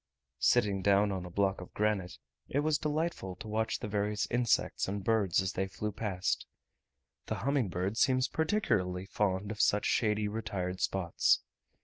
Sitting down on a block of granite, it was delightful to watch the various insects and birds as they flew past. The humming bird seems particularly fond of such shady retired spots.